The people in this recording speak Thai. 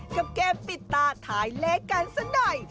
กับเกมปิดตาถ่ายเลขกันสักหน่อย